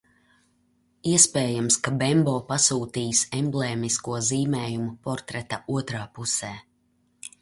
Iespējams, ka Bembo pasūtījis emblēmisko zīmējumu portreta otrā pusē.